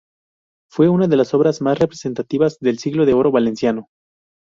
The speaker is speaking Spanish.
Fue una de las obras más representativas del Siglo de Oro valenciano.